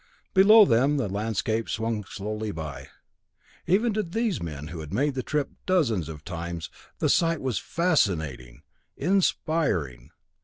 Below them the landscape swung slowly by. Even to these men who had made the trip dozens of times, the sight was fascinating, inspiring.